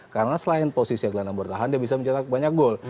karena selain posisinya gelandang bertahan dia bisa mencetak banyak gol